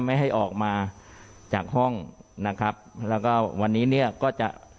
ไม่ให้ออกมาจากห้องนะครับแล้วก็วันนี้เนี่ยก็จะ